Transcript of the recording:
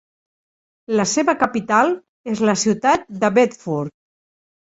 La seva capital és la ciutat de Bedford.